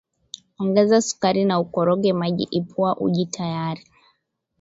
Ongeza sukari na ukoroge uji Ipua uji tayari